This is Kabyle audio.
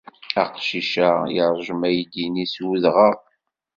Aqcic-a yeṛjem aydi-nni s udɣaɣ.